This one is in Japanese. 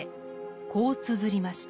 こうつづりました。